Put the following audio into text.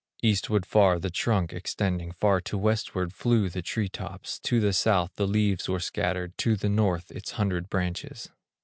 Eastward far the trunk extending, Far to westward flew the tree tops, To the South the leaves were scattered, To the North its hundred branches.